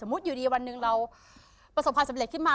มุติอยู่ดีวันหนึ่งเราประสบความสำเร็จขึ้นมา